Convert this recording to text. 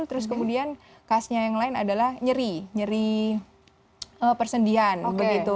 terus kemudian kasnya yang lain adalah nyeri nyeri persendihan begitu